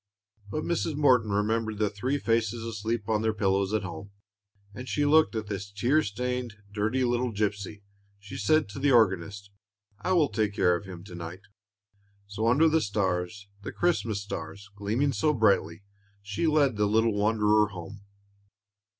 But Mrs. Morton remembered the three faces asleep on their pillows at home, and as she looked at this tear stained, dirty little gypsy, she said to the organist, "I will take care of him to night." So, under the stars, the Christmas stars, gleaming so brightly, she led the little wanderer home.